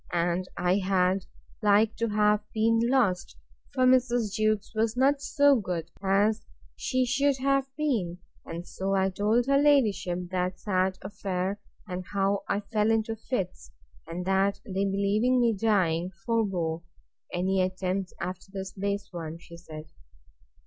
and I had like to have been lost; for Mrs. Jewkes was not so good as she should have been. And so I told her ladyship that sad affair, and how I fell into fits; and that they believing me dying, forbore.—Any attempts after this base one? she said.